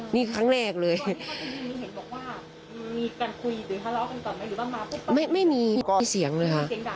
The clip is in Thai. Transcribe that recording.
นี่นี่ขั้นแรกเลยก็คือเห็นบอกว่าค่ะมีการคุยเลยเรามั้ยไม่มีไม่มีไม่มีเสียงเลยเนี่ย